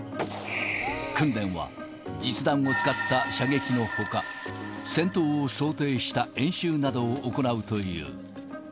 訓練は、実弾を使った射撃のほか、戦闘を想定した演習などを行うという。